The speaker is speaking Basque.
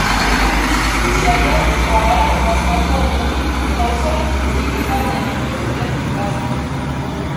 Usaian, kabalak bazkatu ondotik pausa ttipi bat egiten zuten pipatzeko.